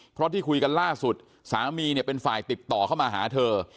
เพราะที่คุยกันล่าสุดสามีเนี่ยเป็นฝ่ายติดต่อเข้ามาหาเธอ